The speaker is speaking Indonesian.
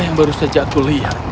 yang baru saja kulihat